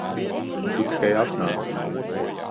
Tu tikai atnāc.